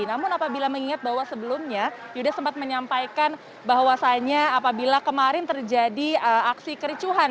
namun apabila mengingat bahwa sebelumnya yuda sempat menyampaikan bahwasannya apabila kemarin terjadi aksi kericuhan